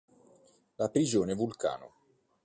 La prigione vulcano.